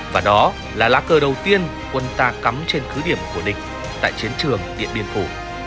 và đó là lá cờ đầu tiên quân ta cắm trên cứ điểm của địch tại chiến trường điện biên phủ